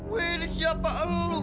weh ini siapa lu